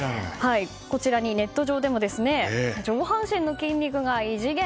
こちらにネット上でも上半身の筋肉が異次元。